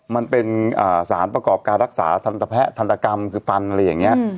มันเป็นสารประกอบการรักษาทันตแพทย์ทันตกรรมคือฟันอะไรอย่างนี้